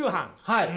はい。